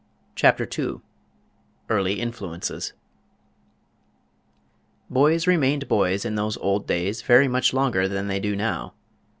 CHAPTER II EARLY INFLUENCES Boys remained boys in those old days very much longer than they do now.